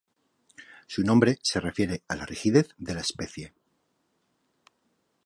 Su nombre se refiere a la rigidez de la especie.